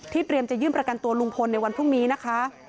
เตรียมจะยื่นประกันตัวลุงพลในวันพรุ่งนี้นะคะ